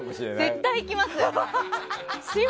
絶対行きます！